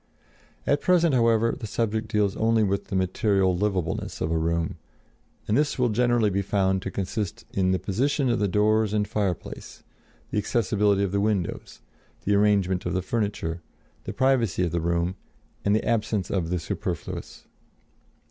At present, however, the subject deals only with the material livableness of a room, and this will generally be found to consist in the position of the doors and fireplace, the accessibility of the windows, the arrangement of the furniture, the privacy of the room and the absence of the superfluous.